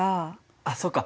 あっそうか。